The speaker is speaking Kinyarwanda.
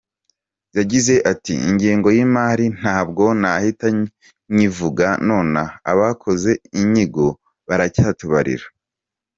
Yagize ati “Ingengo y’imari ntabwo nahita nyivuga nonaha, abakoze inyigo baracyatubarira.